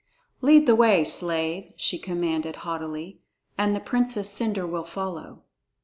"Lead the way, slave," she commanded haughtily, "and the Princess Cendre will follow."